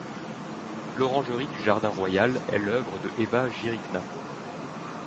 L'orangerie du Jardin royal est l'œuvre d'Eva Jiřičná.